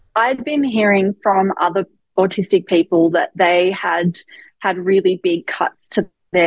saya telah mendengar dari orang orang asuransi lainnya bahwa mereka memiliki penurunan yang besar